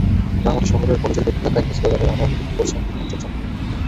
রাঙামাটি শহরের college gate এলাকায় নিজ বাগানের আনারস বিক্রি করছেন ধনঞ্জয় চাকমা।